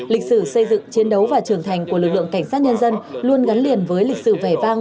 lịch sử xây dựng chiến đấu và trưởng thành của lực lượng cảnh sát nhân dân luôn gắn liền với lịch sử vẻ vang